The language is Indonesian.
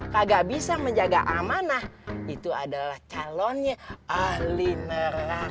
kagak bisa menjaga amanah itu adalah calonnya ahli nerang